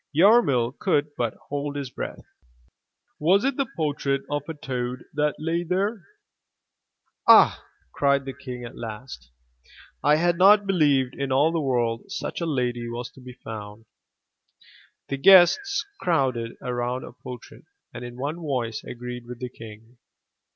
Yarmil could but hold his breath. Was it the portrait of a toad that lay there? "Ah," 391 MYBOOK HOUSE cried the King at last. *' I had not believed in all the worid such a lady was to be found/' The guests crowded around the portrait, and in one voice agreed with the king.